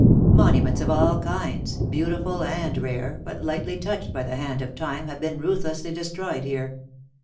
Monuments of all kinds, beautiful and rare, and but lightly touched by the hand of time, have been ruthlessly destroyed here.